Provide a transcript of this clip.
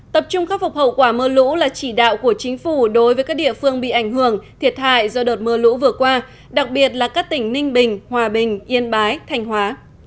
tập trung khắc phục hậu quả mưa lũ là chỉ đạo của chính phủ đối với các địa phương bị ảnh hưởng thiệt hại do đợt mưa lũ vừa qua đặc biệt là các tỉnh ninh bình hòa bình yên bái thành hóa